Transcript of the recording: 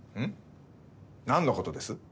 何のことです？